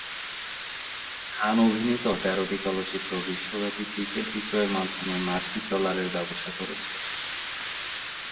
খান অভিনীত তেরোটি চলচ্চিত্র বিশ্বব্যাপী টিকেট বিক্রয়ের মাধ্যমে মার্কিন ডলারের ব্যবসা করেছে।